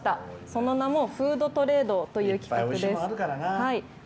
その名も「ふうどトレード」という企画です。